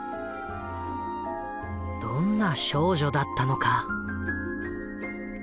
どんな少女だったのか。